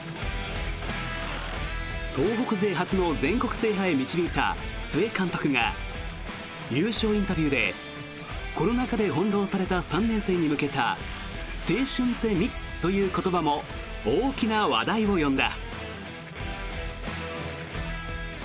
東北勢初の全国制覇を導いた須江監督が優勝インタビューでコロナ禍で翻ろうされた３年生に向けた青春って密という言葉も大きな話題を呼んだ。